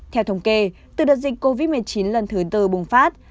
theo thống kê từ đợt dịch covid một mươi chín lần thứ tư bùng phát